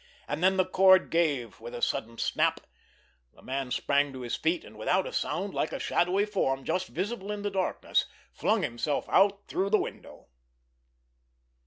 And then the cord gave with a sudden snap, the man sprang to his feet, and, without a sound, like a shadowy form just visible in the darkness, flung himself out through the window.